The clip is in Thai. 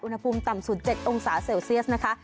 อุณหภูมิต่ำสุด๗องศาเซลเซียสนะคะ